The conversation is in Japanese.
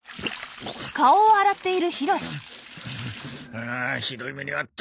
あひどい目に遭った。